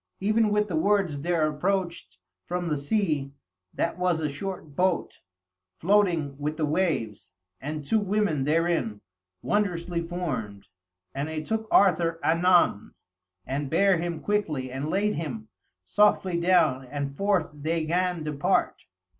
Even with the words there approached from the sea that was a short boat, floating with the waves; and two women therein, wondrously formed; and they took Arthur anon, and bare him quickly, and laid him softly down, and forth they 'gan depart.